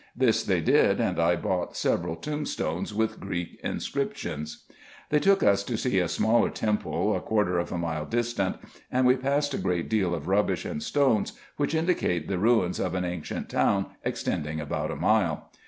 This they did, and I bought several tombstones with Greek inscriptions. They took us to see a smaller temple, a quarter of a mile distant ; and we passed a great deal of rubbish and stones, which indicate the nuns of an ancient town, extending about a mile.